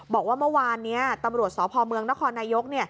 บอกว่าเมื่อวานนี้ตำรวจสพเมืองนครนายก